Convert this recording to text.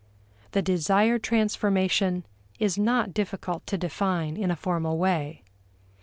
The desired transformation is not difficult to define in a formal way.